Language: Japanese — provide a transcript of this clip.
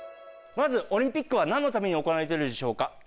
まずオリンピックはなんのために行われてるでしょうか。